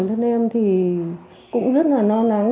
bản thân em thì cũng rất là no nắng